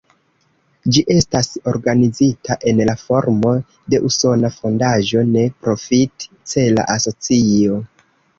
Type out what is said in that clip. Ĝi estas organizita en la formo de usona fondaĵo, ne-profit-cela asocio.